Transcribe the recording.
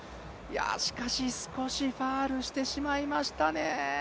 しかし少しファウルしてしまいましたね。